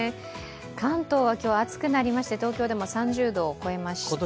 関東は今日、暑くなりまして東京でも３０度を超えました。